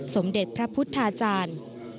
สมเด็จพระพุทธาจารย์